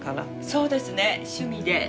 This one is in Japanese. そうですね趣味で。